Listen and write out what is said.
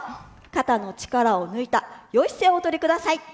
肩の力を抜いたよい姿勢をおとりください。